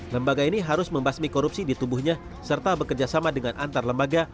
lembaga ini harus membasmi korupsi di tubuhnya serta bekerjasama dengan antar lembaga